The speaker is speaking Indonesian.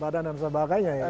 badan dan sebagainya ya